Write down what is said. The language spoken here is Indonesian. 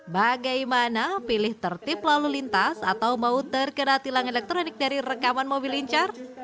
bagaimana pilih tertib lalu lintas atau mau terkena tilang elektronik dari rekaman mobil lincar